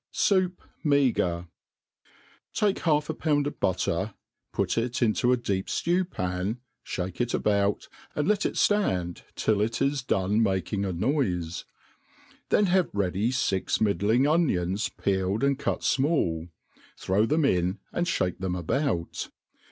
Sffup' Meagre, TAKE half a pound of butter, pur it into a deep ftew pan, fbake it about, and let it itand till it has done making a noiiej then haye ready fix middling onions peeled and cut imali, throw them iUt and (bake them about.